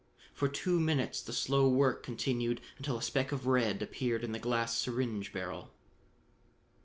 For two minutes the slow work continued, until a speck of red appeared in the glass syringe barrel.